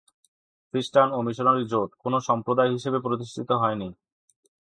খ্রিস্টান ও মিশনারি জোট কোনো সম্প্রদায় হিসেবে প্রতিষ্ঠিত হয়নি।